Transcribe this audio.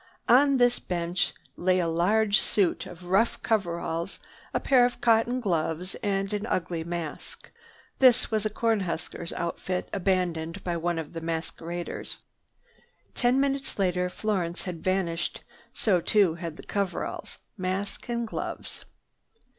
On this bench lay a large suit of rough coveralls, a pair of cotton gloves and an ugly mask. This was a corn husker's outfit abandoned by one of the masqueraders. Ten minutes later Florence had vanished; so too had the coveralls, mask and gloves.